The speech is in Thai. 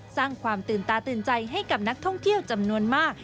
สร้างความตื่นตาตื่นใจให้กับนักท่องเที่ยวจำนวนมาก